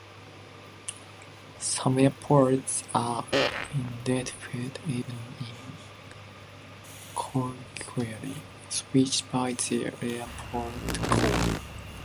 Some airports are identified even in colloquial speech by their airport code.